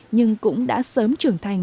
nhưng cũng đã sớm trưởng thành